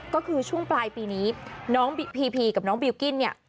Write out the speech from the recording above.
ก็คือช่วงปลายปีนี้น้องพีพีกับน้องบิลกิ้นเนี่ย